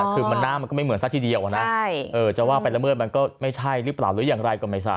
คือหน้ามันก็ไม่เหมือนซะทีเดียวนะจะว่าไปละเมิดมันก็ไม่ใช่หรือเปล่าหรืออย่างไรก็ไม่ทราบ